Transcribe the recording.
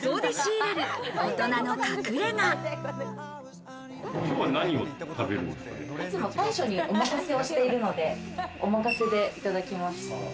いつも大将におまかせをしているので、おまかせでいただきます。